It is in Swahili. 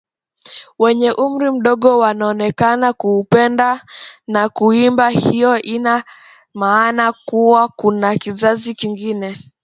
wenye umri mdogo wanaonekana kuupenda na kuuimba Hiyo ina maana kuwa kuna kizazi kingine